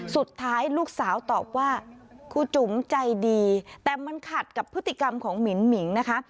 สุดท้ายลูกสาวตอบว่าครูจุ๋มใจดีแต่มันขัดกับพฤติกรรมของหมินหมิงนะคะ